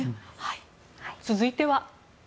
続いては。